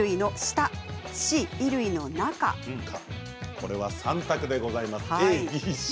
これは３択でございます。